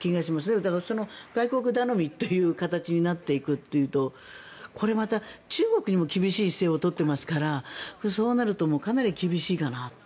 だから、外国頼みという形になっていくというとこれまた中国にも厳しい姿勢を取っていますからそうなるとかなり厳しいかなと。